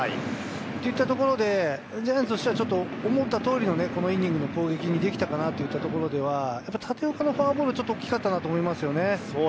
そういったところでジャイアンツとしては、思った通りのイニングの攻撃にできたかなっていったところでは、立岡のフォアボールは大きかったかなと思いますね。